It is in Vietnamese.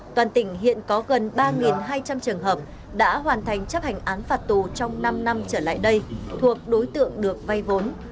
toàn tỉnh hiện có gần ba hai trăm linh trường hợp đã hoàn thành chấp hành án phạt tù trong năm năm trở lại đây thuộc đối tượng được vay vốn